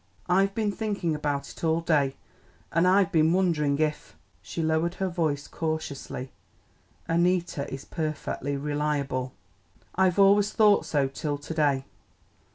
I've been thinking about it all day, and I've been wondering if " she lowered her voice cautiously "Annita is perfectly reliable. I've always thought so till to day.